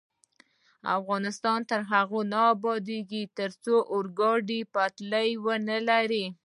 افغانستان تر هغو نه ابادیږي، ترڅو د اورګاډي پټلۍ ونلرو.